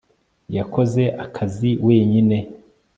Yakoze akazi wenyine